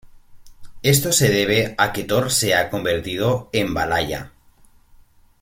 Esto se debe a que Thor se ha "convertido en Valhalla".